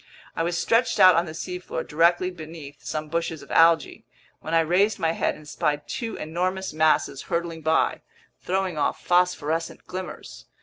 I was stretched out on the seafloor directly beneath some bushes of algae, when I raised my head and spied two enormous masses hurtling by, throwing off phosphorescent glimmers.